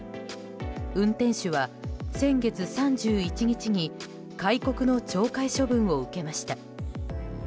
運転手は先月３１日に戒告の懲戒処分を受けました。